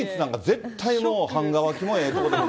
シーツなんか絶対もう半乾きもええとこで。